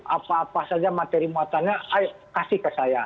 apa apa saja materi muatannya ayo kasih ke saya